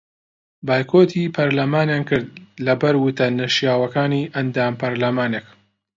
بایکۆتی پەرلەمانیان کرد لەبەر وتە نەشیاوەکانی ئەندام پەرلەمانێک